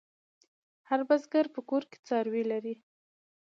هر بزگر په کور کې څاروي لري.